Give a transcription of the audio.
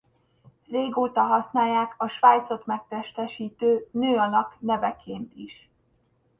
Régóta használják a Svájcot megtestesítő nőalak neveként is.